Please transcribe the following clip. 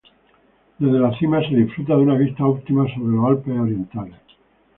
Desde la cima se disfruta de una vista óptima sobre los Alpes orientales.